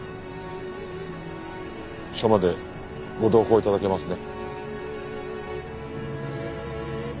署までご同行頂けますね？